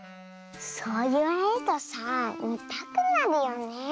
そういわれるとさあみたくなるよねえ。